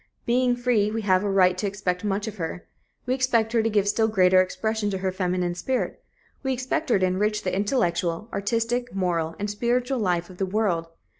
Being free, we have a right to expect much of her. We expect her to give still greater expression to her feminine spirit we expect her to enrich the intellectual, artistic, moral and spiritual life of the world.